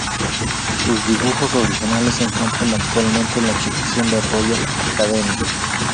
Sus dibujos originales se encuentran actualmente en la colección de la Royal Academy.